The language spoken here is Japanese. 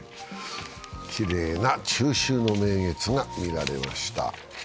きれいな中秋の名月が見られました。